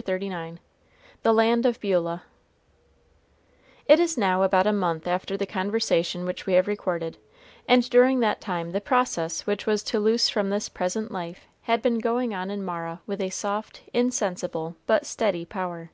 CHAPTER XXXIX THE LAND OF BEULAH It is now about a month after the conversation which we have recorded, and during that time the process which was to loose from this present life had been going on in Mara with a soft, insensible, but steady power.